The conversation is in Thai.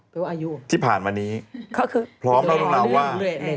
เป็นว่าอายุเหรอคะพร้อมแล้วเราว่า